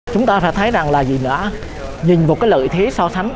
chúng ta phải thấy rằng là gì nữa nhìn vào cái lợi thế so sánh